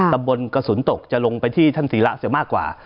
ตำบลกระสุนตกจะลงไปที่ท่านศีระเสียมากกว่า